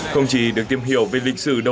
không chỉ được tìm hiểu về lịch sử đấu tranh